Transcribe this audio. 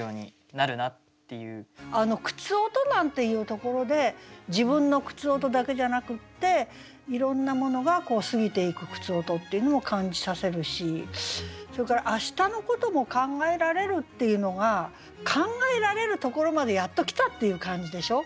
「靴音」なんていうところで自分の靴音だけじゃなくっていろんなものが過ぎていく靴音っていうのも感じさせるしそれから「明日の事も考えられる」っていうのが考えられるところまでやっと来たっていう感じでしょう？